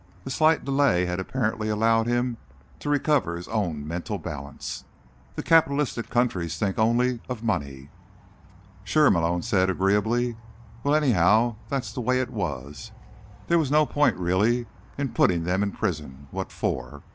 The slight delay had apparently allowed him to recover his own mental balance. "The capitalist countries think only of money." "Sure," Malone said agreeably. "Well, anyhow, that's the way it was. There was no point, really, in putting them in prison—what for?